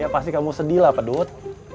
pasti kamu sedih lah pedut